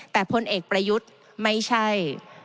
แต่พลเอกประยุทธ์ไม่ใช่